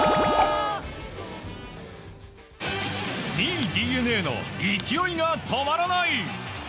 ２位、ＤｅＮＡの勢いが止まらない！